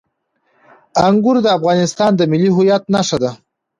انګور د افغانستان د ملي هویت نښه ده.